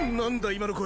今の声。